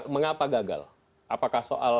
mengapa gagal apakah soal